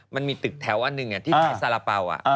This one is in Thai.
มันมีตึกแถวอันหนึ่งที่ขายสาระเป๋า